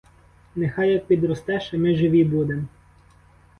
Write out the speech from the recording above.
Нехай як підростеш, а ми живі будем.